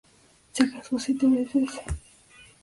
Se casó siete veces.